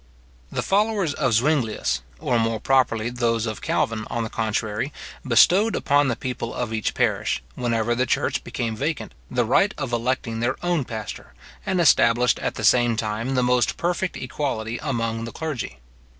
The followers of Zuinglius, or more properly those of Calvin, on the contrary, bestowed upon the people of each parish, whenever the church became vacant, the right of electing their own pastor; and established, at the same time, the most perfect equality among the clergy.